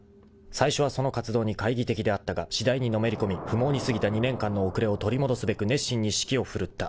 ［最初はその活動に懐疑的であったが次第にのめり込み不毛に過ぎた２年間の遅れを取り戻すべく熱心に指揮を振るった］